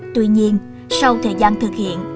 tuy nhiên sau thời gian thực hiện